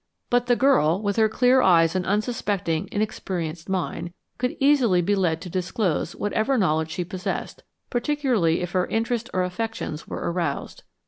But the girl, with her clear eyes and unsuspecting, inexperienced mind, could easily be led to disclose whatever knowledge she possessed, particularly if her interest or affections were aroused.